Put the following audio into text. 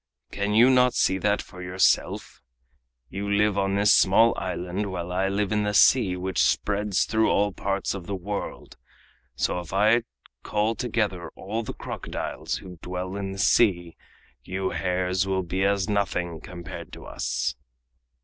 "Can you not see that for yourself? You live on this small island, while I live in the sea, which spreads through all parts of the world, so if I call together all the crocodiles who dwell in the sea you hares will be as nothing compared to us!"